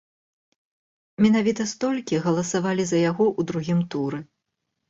Менавіта столькі галасавалі за яго ў другім туры.